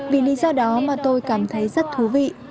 vì lý do đó mà tôi cảm thấy rất thú vị